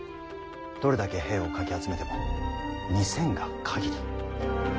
どれだけ兵をかき集めても２，０００が限り。